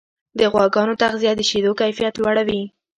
د غواګانو تغذیه د شیدو کیفیت لوړوي.